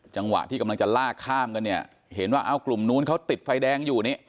จังหวะที่กำลังจะลากข้ามกันเนี่ยเห็นว่าเอ้ากลุ่มนู้นเขาติดไฟแดงอยู่นี่